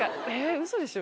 ウソでしょ？